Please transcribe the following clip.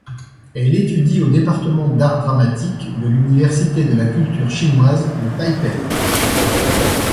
Elle étudie au département d’art dramatique de l’université de la culture chinoise de Taipei.